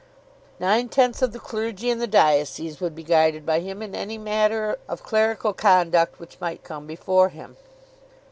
"Nine tenths of the clergy in the diocese would be guided by him in any matter of clerical conduct which might come before him."